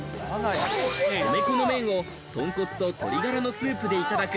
米粉の麺を豚骨と鶏がらのスープでいただく。